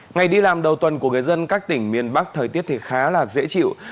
ngày đi làm đầu tuần của người dân các tỉnh miền bắc thời tiết thì khá là dễ chịu